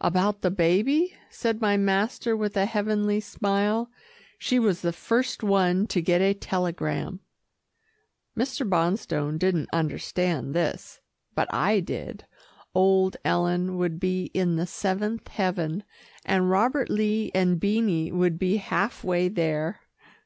"About the baby?" said my master with a heavenly smile. "She was the first one to get a telegram." Mr. Bonstone didn't understand this, but I did. Old Ellen would be in the seventh heaven, and Robert Lee and Beanie would be half way there.